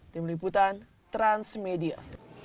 di meliputan transmedia